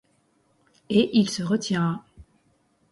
Et il se retira.